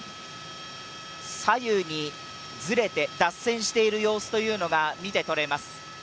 左右にずれて脱線している様子というのが見て取れます。